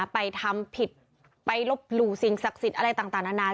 ไปทำผิดไปลบหลู่สิ่งศักดิ์สิทธิ์อะไรต่างนานา